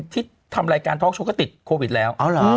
ที่ทำรายการท็อกโชว์ก็ติดโควิดแล้ว